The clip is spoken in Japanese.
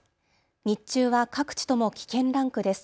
日中は各地とも危険ランクです。